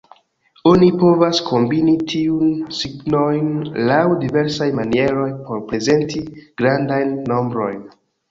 Oni povas kombini tiujn signojn laŭ diversaj manieroj por prezenti grandajn nombrojn.